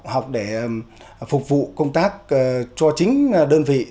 học để phục vụ công tác cho chính đơn vị